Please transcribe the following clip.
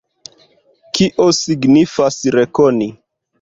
Kio signifas rekoni?